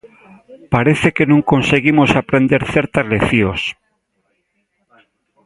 Parece que non conseguimos aprender certas leccións.